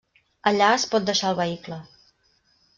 Allà es pot deixar el vehicle.